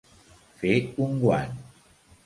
Fer un guant.